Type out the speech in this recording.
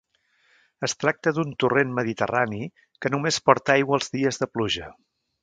Es tracta d’un torrent mediterrani, que només porta aigua els dies de pluja.